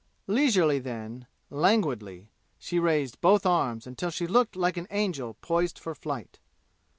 Leisurely then, languidly, she raised both arms until she looked like an angel poised for flight.